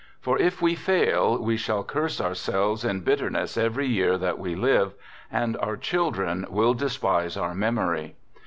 " For if we fail, we shall curse our selves in bitterness every year that we live, and our children will despise our memory."